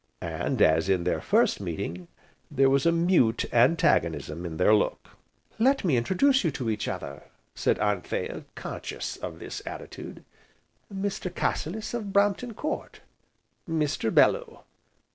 And, as in their first meeting, there was a mute antagonism in their look. "Let me introduce you to each other," said Anthea, conscious of this attitude, "Mr. Cassilis, of Brampton Court, Mr. Bellew!"